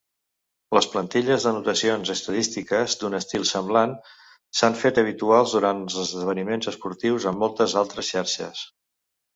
Les plantilles d'anotacions estadístiques d'un estil semblant s'han fet habituals durant els esdeveniments esportius en moltes altres xarxes.